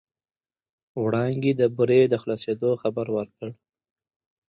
وړانګې د بورې د خلاصېدو خبر ورکړ.